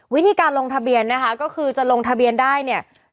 วิธีการลงทะเบียนนะคะก็คือจะลงทะเบียนได้เนี่ย